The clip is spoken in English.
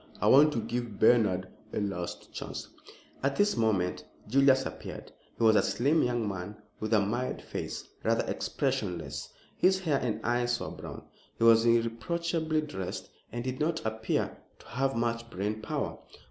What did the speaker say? I want to give Bernard a last chance." At this moment Julius appeared. He was a slim young man with a mild face, rather expressionless. His hair and eyes were brown. He was irreproachably dressed, and did not appear to have much brain power.